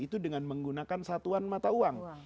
itu dengan menggunakan satuan mata uang